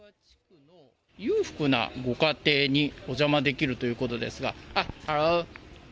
裕福なご家庭にお邪魔できるということですが、ハロー。